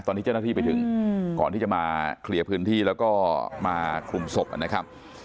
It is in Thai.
ตอนที่เจ้าหน้าที่ไปถึงก่อนที่จะมาเคลียร์พื้นที่แล้วก็มาคลุมศพนะครับ